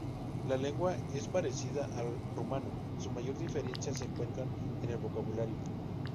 La lengua es parecida al rumano, su mayor diferencia se encuentra en el vocabulario.